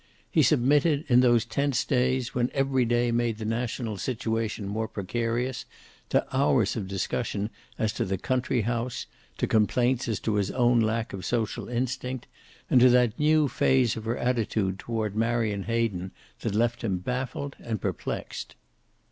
He submitted, in those tense days when every day made the national situation more precarious, to hours of discussion as to the country house, to complaints as to his own lack of social instinct, and to that new phase of her attitude toward Marion Hayden that left him baffled and perplexed.